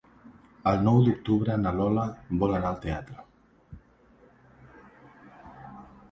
El nou d'octubre na Lola vol anar al teatre.